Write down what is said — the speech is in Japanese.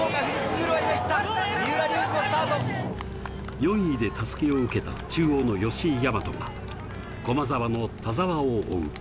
４位で襷を受けた中央の吉居大和は、駒澤の田澤を追う。